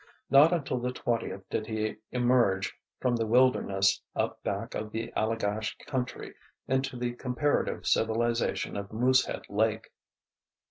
Not until the twentieth did he emerge from the wilderness up back of the Allagash country into the comparative civilization of Moosehead Lake.